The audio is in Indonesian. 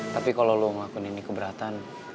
tapi kalau lo ngelakuin ini keberatan